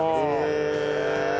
へえ！